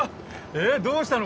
えっどうしたの？